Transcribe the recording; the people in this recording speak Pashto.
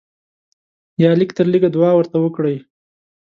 یا لږ تر لږه دعا ورته وکړئ.